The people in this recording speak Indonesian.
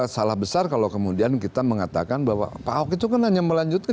salah besar kalau kemudian kita mengatakan bahwa pak ahok itu kan hanya melanjutkan